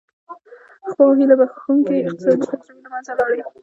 خو هیله بښوونکې اقتصادي تجربې له منځه لاړې.